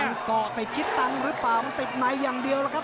มันเกาะติดคิดตังค์หรือเปล่ามันติดในอย่างเดียวล่ะครับ